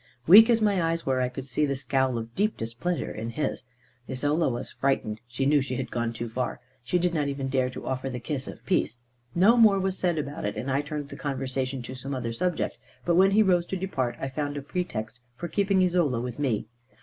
Weak as my eyes were, I could see the scowl of deep displeasure in his. Isola was frightened: she knew she had gone too far. She did not even dare to offer the kiss of peace. No more was said about it, and I turned the conversation to some other subject. But when he rose to depart, I found a pretext for keeping Isola with me.